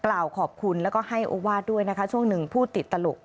กล่าวขอบคุณแล้วก็ให้โอวาสด้วยนะคะช่วงหนึ่งพูดติดตลก